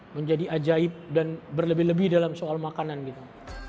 menjadi ajaib dan berlebih lebih dalam soal makanan gitu